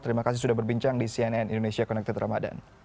terima kasih sudah berbincang di cnn indonesia connected ramadan